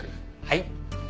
はい。